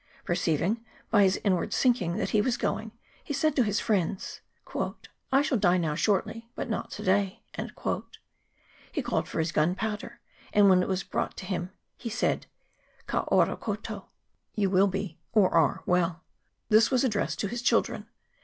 Perceiving, by his inward sinking, that he was going, he said to his friends ' I shall die now shortly, but not to day/ He called for his gunpowder ; and when it was brought to him he said ' Ka ora koutou.' ' You will be 252 E' ONGI. [PART n. (or are) well.' This was addressed to his children.